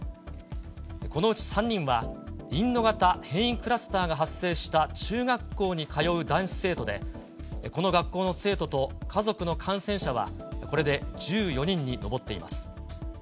このうち３人は、インド型変異クラスターが発生した中学校に通う男子生徒で、この学校の生徒と家族の感染者はこれで１４人に上っています。